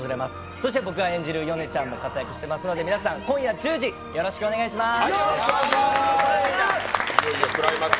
そして僕が演じる米ちゃんも活躍しておりますので、皆さん、今夜１０時、よろしくお願いします。